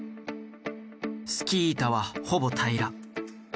スキー板はほぼ平ら。